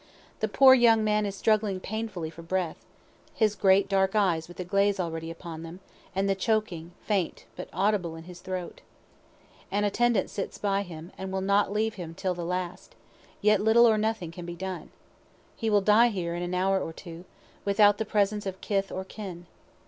The poor young man is struggling painfully for breath, his great dark eyes with a glaze already upon them, and the choking faint but audible in his throat. An attendant sits by him, and will not leave him till the last; yet little or nothing can be done. He will die here in an hour or two, without the presence of kith or kin.